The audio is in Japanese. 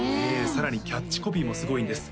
さらにキャッチコピーもすごいんです